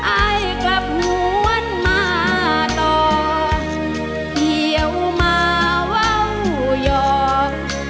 อ้ายกลับหน่วนมาต่อเหี่ยวมาเว้าหยอก